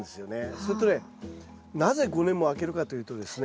それとねなぜ５年もあけるかというとですね